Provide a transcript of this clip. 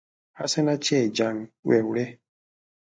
هسې نه چې جنګ وي وړی